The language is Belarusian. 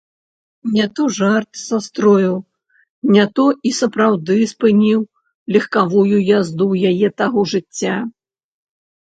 Не то жарт састроіў, не то і сапраўды спыніў легкавую язду яе таго жыцця.